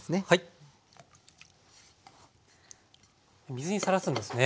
水にさらすんですね。